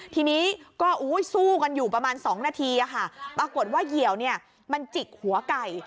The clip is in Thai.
ทีนี้ก็สู้กันอยู่ประมาณสองนาทีอ่ะค่ะปรากฏว่าเหยียวเนี่ยมันจิกหัวไก่